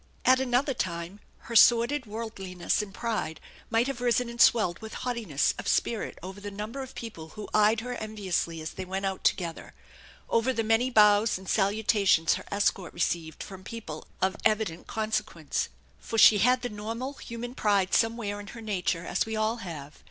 At another time her sordid worldliness and pride might have risen and swelled with haughtiness of spirit over the number of people who eyed her enviously as they went out together; over the many bows and salutations her escort received from people of evident consequence, for she had the normal human pride somewhere in her nature as we all have.